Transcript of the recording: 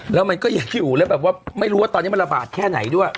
แล้วมันก็ยังอยู่แล้วแบบว่าไม่รู้ว่าตอนนี้มันระบาดแค่ไหนด้วย